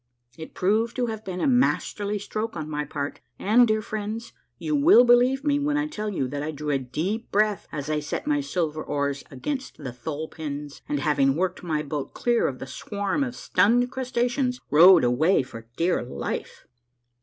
It proved to have been a masterly stroke on my part, and, dear friends, you will believe me when I tell you that I drew a deep breath as I set my silver oars against the thole pins, and, having worked my boat clear of the swarms of stunned crustaceans, rowed away for dear life